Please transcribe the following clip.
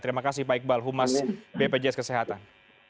terima kasih pak iqbal humas bpjs kesehatan